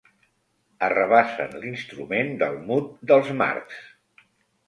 Arrabassen l'instrument del mut dels Marx.